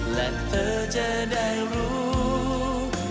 และเธอจะได้รู้